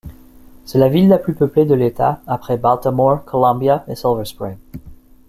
C'est la ville la plus peuplée de l'État après Baltimore, Columbia et Silver Spring.